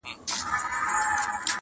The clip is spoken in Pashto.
o شپه په امېد سبا کېږي!